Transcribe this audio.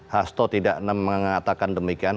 hasto tidak mengatakan demikian